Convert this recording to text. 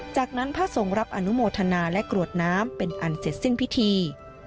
จากนั้นพระทรงรับอนุโมทนาและกรวดน้ำเป็นอันเสร็จสิ้นพิธี